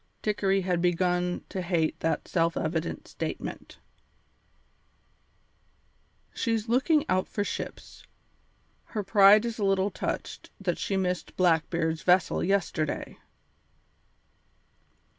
Dickory had begun to hate that self evident statement. "She's looking out for ships; her pride is a little touched that she missed Blackbeard's vessel yesterday."